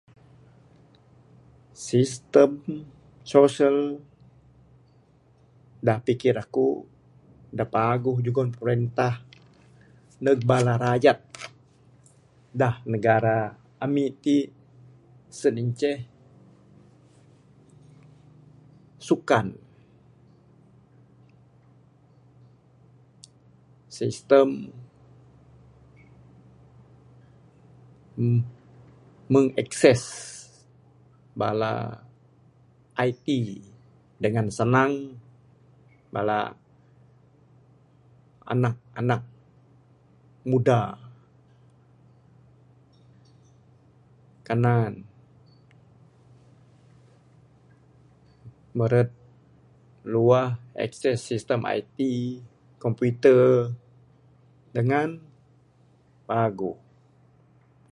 Sistem sosial da pikir aku, da paguh jugon prentah neg bala rayat dah negara ami ti sen inceh sukan, sistem em meng access bala IT dangan sanang bala anak anak muda kanan meret luah access sistem IT, computer dangan paguh.